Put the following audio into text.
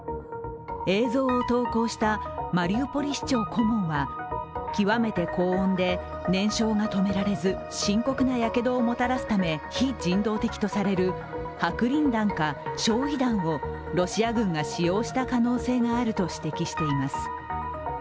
映像を投稿したマリウポリ市長顧問は極めて高温で燃焼が止められず深刻なやけどをもたらすため非人道的とされる白リン弾か焼い弾をロシア軍が使用した可能性があると指摘しています。